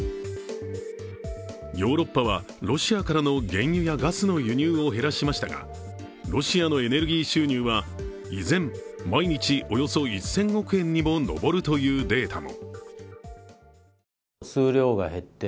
ヨーロッパはロシアからの原油やガスの輸入を減らしましたがロシアのエネルギー収入は依然、毎日およそ１０００億円にも上るというデータも。